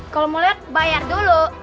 kalau mau lihat bayar dulu